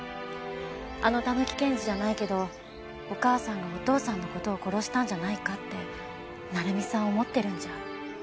あの狸検事じゃないけどお母さんがお父さんの事を殺したんじゃないかって成美さん思ってるんじゃ。